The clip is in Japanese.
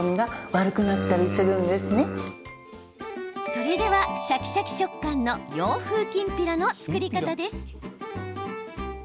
それでは、シャキシャキ食感の洋風きんぴらの作り方です。